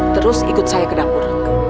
terus ikut saya ke dapur